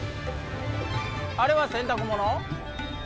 あれは洗濯物？